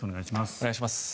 お願いします。